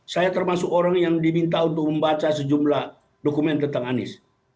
saya termasuk orang yang diminta untuk membaca sejumlah dokumen tentang anies